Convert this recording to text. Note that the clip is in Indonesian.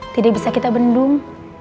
tidak bisa kita bendung